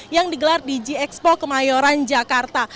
yang digelar di g expo kemayoran jakarta